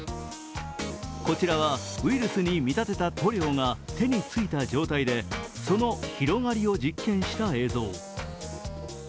こちらはウイルスに見立てた塗料が手についた状態でその広がりを実験した映像。